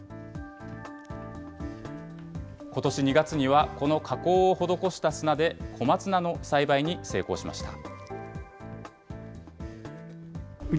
ことし２月には、この加工を施した砂で、小松菜の栽培に成功しました。